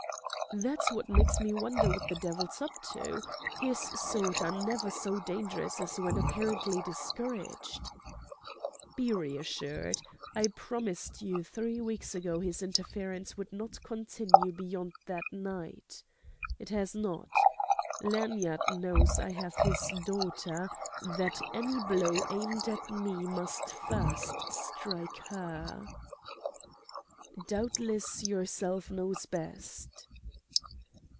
"That's what makes me wonder what the divvle's up to. His sort are never so dangerous as when apparently discouraged." "Be reassured. I promised you three weeks ago his interference would not continue beyond that night. It has not. Lanyard knows I have his daughter, that any blow aimed at me must first strike her." "Doubtless yourself knows best...."